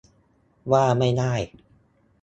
ว่าไม่ได้